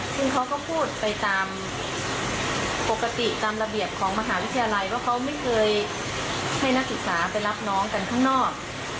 ซึ่งเขาก็พูดไปตามปกติตามระเบียบของมหาวิทยาลัยว่าเขาไม่เคยให้นักศึกษาไปรับน้องกันข้างนอก